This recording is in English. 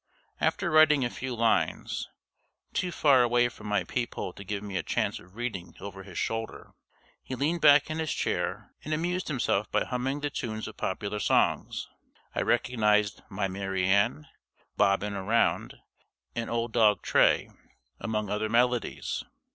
After writing a few lines (too far away from my peep hole to give me a chance of reading over his shoulder), he leaned back in his chair, and amused himself by humming the tunes of popular songs. I recognized "My Mary Anne," "Bobbin' Around," and "Old Dog Tray," among other melodies.